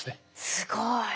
すごい。